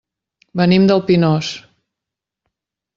Venim del Pinós.